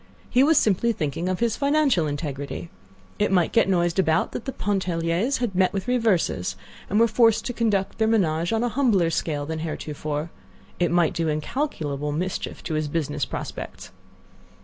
He was simply thinking of his financial integrity. It might get noised about that the Pontelliers had met with reverses, and were forced to conduct their ménage on a humbler scale than heretofore. It might do incalculable mischief to his business prospects.